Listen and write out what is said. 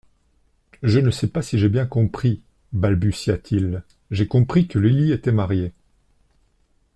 Je ne sais pas si j'ai bien compris, balbutia-t-il ; j'ai compris que Lily était mariée.